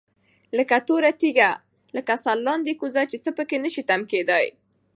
لكه توره تيږه، لكه سرلاندي كوزه چي څه په كي نشي تم كېدى